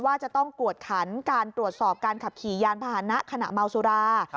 ว่าจะต้องกวดขันการตรวจสอบการขับขี่ยานพาหนะขณะเมาสุรา